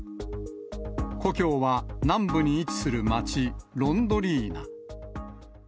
故郷は南部に位置する街、ロンドリーナ。